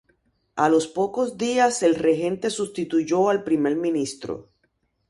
A los pocos días el regente sustituyó al primer ministro.